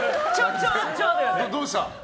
どうした？